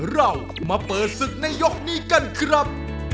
เรามาเปิดศึกในยกนี้กันครับ